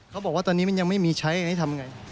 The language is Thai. เขาบอกว่าตอนนี้มันยังไม่มีใช้ให้ทำไง